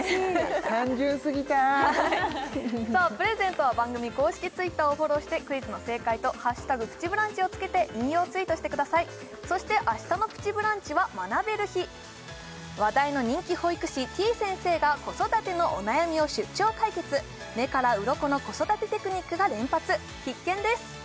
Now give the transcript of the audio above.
単純すぎたさあプレゼントは番組公式Ｔｗｉｔｔｅｒをフォローしてクイズの正解と「＃プチブランチ」をつけて引用ツイートしてくださいそして明日の「プチブランチ」は学べる日話題の人気保育士てぃ先生が子育てのお悩みを出張解決目からうろこの子育てテクニックが連発必見です！